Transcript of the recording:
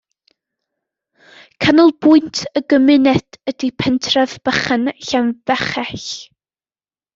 Canolbwynt y gymuned ydy pentref bychan Llanfechell.